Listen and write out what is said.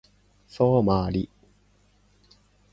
ソマリ